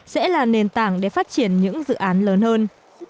sẽ là nền tảng để phát triển những dự án lớn hơn